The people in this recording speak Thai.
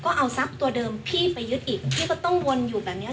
ก็เอาทรัพย์ตัวเดิมพี่ไปยึดอีกพี่ก็ต้องวนอยู่แบบเนี้ย